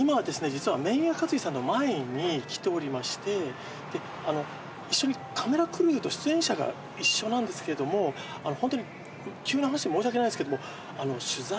実は麺や勝治さんの前に来ておりまして一緒にカメラクルー出演者が一緒なんですけれどもホントに急な話で申し訳ないですけども取材。